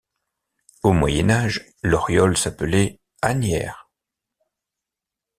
Au Moyen Âge, Loriol s'appelait Asnières.